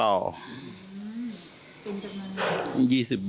โยมจากมาแล้วเหรอคะ